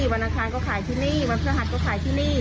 วันอังคารก็ขายที่นี่วันพฤหัสก็ขายที่นี่